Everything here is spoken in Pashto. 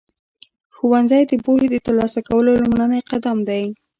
ښوونځی د پوهې ترلاسه کولو لومړنی قدم دی.